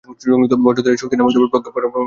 বজ্রধরের এ শক্তির নাম প্রজ্ঞাপারমিতা।